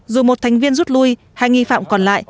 dù một thành viên rút lui hai nghi phạm còn lại